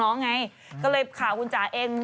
ไงก็เลยข่าวคุณจ๋าเอง